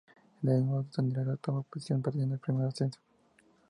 En el mismo obtendría la octava posición, perdiendo el primer ascenso.